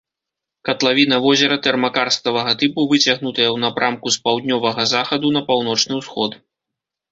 Катлавіна возера тэрмакарставага тыпу, выцягнутая ў напрамку з паўднёвага захаду на паўночны ўсход.